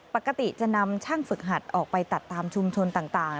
ปกติจะนำช่างฝึกหัดออกไปตัดตามชุมชนต่าง